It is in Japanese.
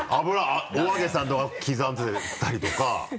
お揚げさんとか刻んでたりとか。